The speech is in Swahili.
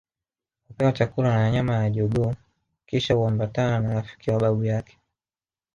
Hupewa chakula na nyama ya jogoo kisha huambatana na rafiki wa babu yake